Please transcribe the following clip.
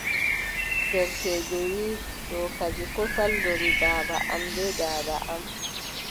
Derkeejo wiʼi: to kadi, ko saldori baaba am bee daada am,